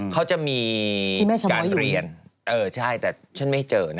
เขาจะมีการเรียนเออใช่แต่ฉันไม่เจอนะ